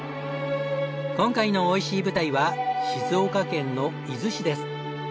今回のおいしい舞台は静岡県の伊豆市です。